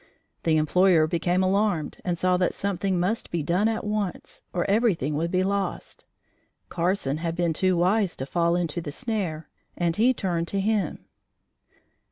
The employer became alarmed and saw that something must be done at once or everything would be lost. Carson had been too wise to fall into the snare, and he turned to him.